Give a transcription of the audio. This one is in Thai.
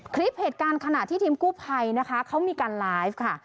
คลิปเหตุการณ์ขณะที่ทีมกู้ภัยนะคะเขามีการไลฟ์ค่ะ